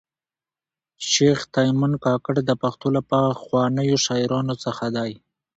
شېخ تیمن کاکړ د پښتو له پخوانیو شاعرانو څخه دﺉ.